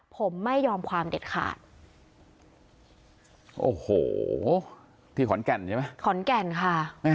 ผมไม่ยอมความเด็ดขาดโอ้โหที่ขอนแก่นใช่ไหมขอนแก่นค่ะ